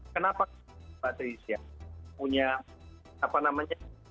kenapa patricia punya apa namanya